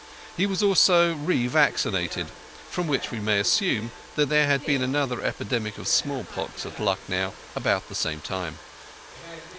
He was also re vaccinated (from which we may assume that there had been another epidemic of smallpox at Lucknow) about the same time.